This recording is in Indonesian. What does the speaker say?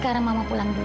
kamu mau cuti fadil